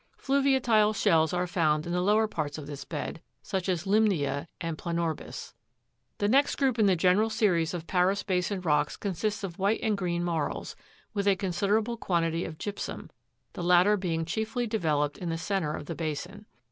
Fluviatile shells are found in the lower parts of this bed, such as lymnea and planorbis. 12. The next group in the general series of Paris basin rocks consists of white and green marls, with a considerable quantity of gypsum, the latter being chiefly developed in the centre of the basin.